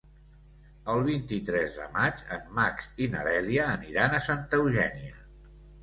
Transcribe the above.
El vint-i-tres de maig en Max i na Dèlia aniran a Santa Eugènia.